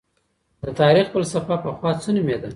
د تاريخ فلسفه پخوا څه نومېده؟